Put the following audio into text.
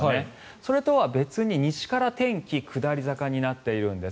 それとは別に西から天気、下り坂になっているんです。